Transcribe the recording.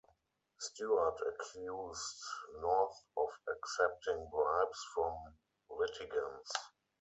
Stewart accused North of accepting bribes from litigants.